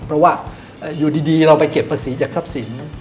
เพราะว่าอยู่ดีเราไปเก็บภาษีจากทรัพย์สิน